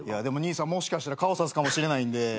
でも兄さんもしかしたら顔さすかもしれないんで。